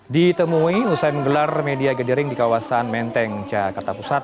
ditemui usai menggelar media gadiring di kawasan menteng jakarta pusat